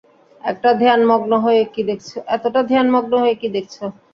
এতটা ধ্যানমগ্ন হয়ে কী দেখেছো!